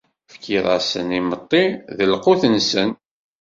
Tefkiḍ-asen imeṭṭi d lqut-nsen.